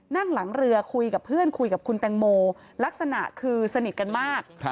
นั่งหลังเรือคุยกับเพื่อนคุยกับคุณแตงโมลักษณะคือสนิทกันมาก